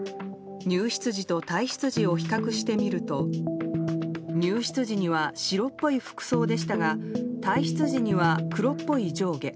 入室時と退室時を比較してみると入室時には白っぽい服装でしたが退室時には黒っぽい上下。